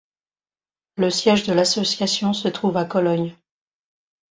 Le siège de l'association se trouve à Cologne.